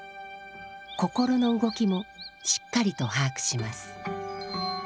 心の動きもしっかりと把握します。